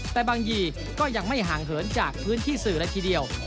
แต่บางยี่ก็ยังไม่ห่างเหินจากพื้นที่สื่อเลยทีเดียว